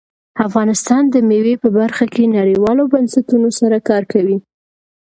افغانستان د مېوې په برخه کې نړیوالو بنسټونو سره کار کوي.